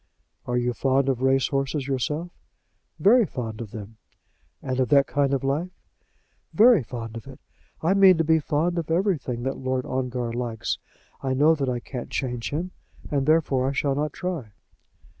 "Are you fond of race horses yourself?" "Very fond of them." "And of that kind of life?" "Very fond of it. I mean to be fond of everything that Lord Ongar likes. I know that I can't change him, and, therefore, I shall not try."